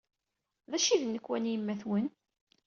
D acu i d nnekwa n yemma-twen?